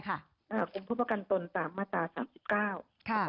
กรมพุทธประกันตนตามมาตรา๓๙ค่ะ